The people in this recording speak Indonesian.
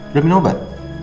udah minum obat